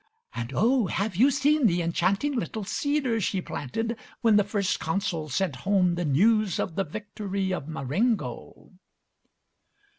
"And, oh, have you seen the enchanting little cedar she planted when the First Consul sent home the news of the victory of Marengo?"